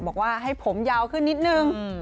บอกว่าให้ผมยาวขึ้นนิดนึง